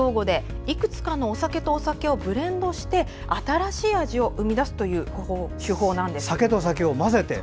フランス語のワイン用語でいくつかのお酒とお酒をブレンドして新しい味を生み出すという手法なんです。